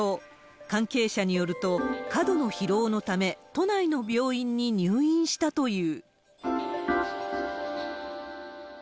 関係者によると、過度の疲労のため、都内の病院に入院したという。